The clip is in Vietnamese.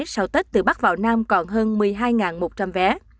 sau tết từ bắc vào nam còn hơn một mươi hai một trăm linh vé